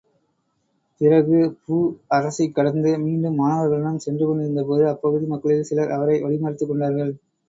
பிறகு பூ அரசைக் கடந்து மீண்டும் மாணவர்களுடன் சென்று கொண்டிருந்தபோது, அப்பகுதி மக்களில் சிலர் அவரை வழிமறித்துக் கொண்டார்கள்.